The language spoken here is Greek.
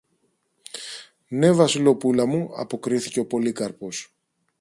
Ναι, Βασιλοπούλα μου, αποκρίθηκε ο Πολύκαρπος.